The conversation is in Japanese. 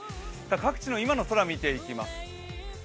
各地の今の空、見ていきます。